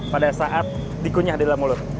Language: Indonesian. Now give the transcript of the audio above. pada saat dikunyah di dalam mulut